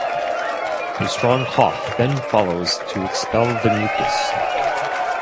A strong cough then follows to expel the mucus.